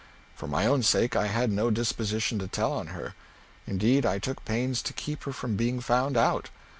For my own sake, I had no disposition to tell on her. Indeed I took pains to keep her from being found out.